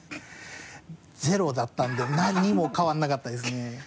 ゼロだったので何も変わらなかったですね。